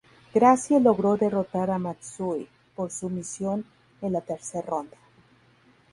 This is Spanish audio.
Gracie logró derrotar a Matsui por sumisión en la tercer ronda.